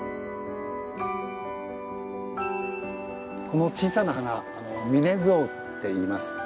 この小さな花ミネズオウっていいます。